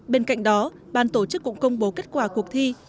bên cạnh đó ban tổ chức cũng công bố kết quả cuộc thi